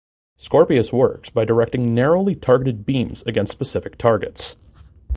Scorpius works by directing narrowly targeted beams against specific targets.